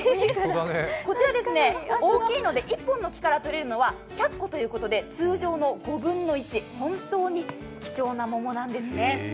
こちら、大きいので１本の木からとれるのは１００個ということで通常の５分の１、本当に貴重な桃なんですね。